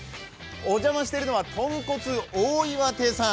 お邪魔しているのは豚骨大岩亭さん。